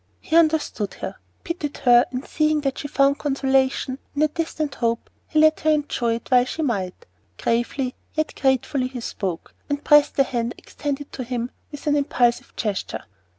He understood her, pitied her, and, seeing that she found consolation in a distant hope, he let her enjoy it while she might. Gravely, yet gratefully, he spoke, and pressed the hand extended to him with an impulsive gesture.